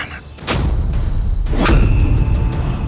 perang memang saling membunuh